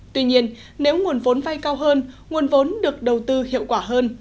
tuy nhiên nếu nguồn vốn vay cao hơn nguồn vốn được đầu tư hiệu quả hơn